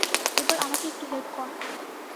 এবার আমাকে একটু হেল্প কর।